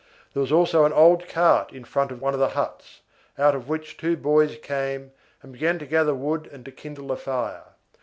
There was also an old cart in front of one of the huts, out of which two boys came and began to gather wood and to kindle a fire.